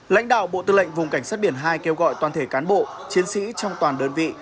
lãnh đạo bộ tư lệnh vùng cảnh sát biển hai kêu gọi toàn thể cán bộ chiến sĩ trong toàn đơn vị